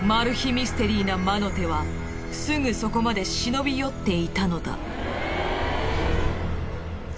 ミステリーな魔の手はすぐそこまで忍び寄っていたのだ。